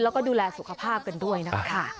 แล้วก็ดูแลสุขภาพกันด้วยนะคะ